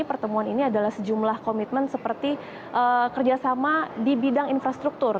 pertemuan ini adalah sejumlah komitmen seperti kerjasama di bidang infrastruktur